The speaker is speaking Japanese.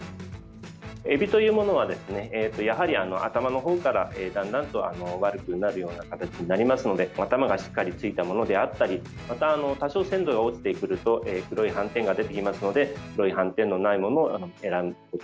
エビというものはやはり頭のほうからだんだんと悪くなるような形になりますので頭がしっかりついたものであったりまた、多少鮮度が落ちてくると黒い斑点が出てきますので黒い斑点のないものを選ぶこと。